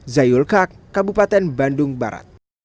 zayul kak kabupaten bandung barat